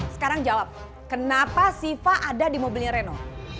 sekarang jawab kenapa siva ada di mobilnya reno